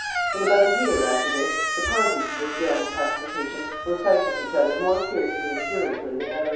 ] In about a year after this the parties to this grand pacification were fighting each other more fiercely and furiously than ever.